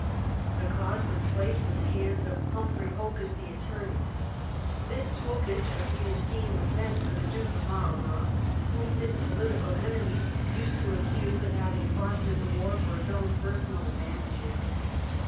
The cause was placed in the hands of Humphrey Hocus the Attorney. This Hocus, as we have seen, was meant for the Duke of Marlborough, whom his political enemies used to accuse of having fostered the war for his own personal advantages.